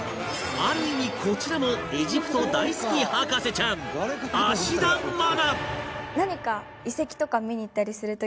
ある意味こちらもエジプト大好き博士ちゃん芦田愛菜！